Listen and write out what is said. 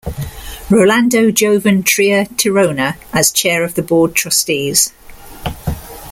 Rolando Joven Tria Tirona as chair of the Board Trustees.